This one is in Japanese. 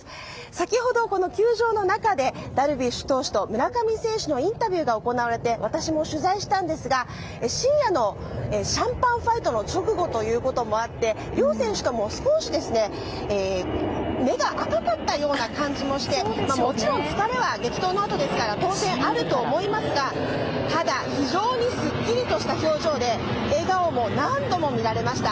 先ほど、この球場の中でダルビッシュ投手と村上選手のインタビューが行われて私も取材したんですが深夜のシャンパンファイトの直後ということもあって両選手とも少し目が赤かったような感じもしてもちろん疲れは激闘のあとですから当然あると思いますがただ非常にすっきりとした表情で笑顔も何度も見られました。